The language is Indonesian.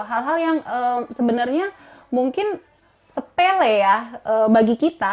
hal hal yang sebenarnya mungkin sepele ya bagi kita